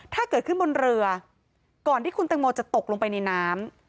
ถ้าเกิดขึ้นบนเรือก่อนที่คุณตังโมจะตกลงไปในน้ำ